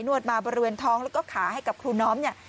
วดมาบริเวณท้องแล้วก็ขาให้กับครูน้อมเนี่ย